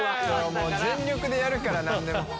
全力でやるから何でも。